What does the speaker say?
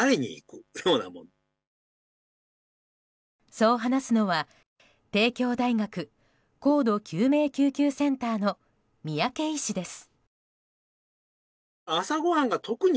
そう話すのは帝京大学高度救命救急センターの三宅医師です。